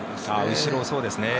後ろ、そうですね。